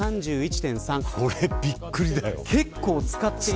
これびっくりだよ。